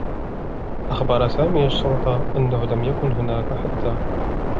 أخبر سامي الشّرطة أنّه لم يكن هناك حتّى.